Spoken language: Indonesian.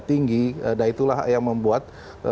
tinggi nah itulah yang membuat